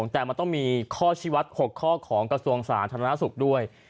แต่มันต้องมีข้อชีวัตร๖ข้อของกระทรวงสาธารณสุขด้วย